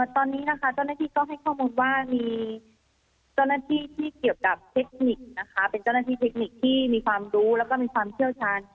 ตอนนี้นะคะเจ้าหน้าที่ก็ให้ข้อมูลว่ามีเจ้าหน้าที่ที่เกี่ยวกับเทคนิคนะคะเป็นเจ้าหน้าที่เทคนิคที่มีความรู้แล้วก็มีความเชี่ยวชาญ